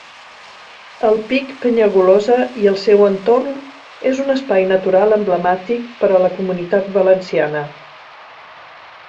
El pic Penyagolosa i el seu entorn és un espai natural emblemàtic per a la Comunitat Valenciana.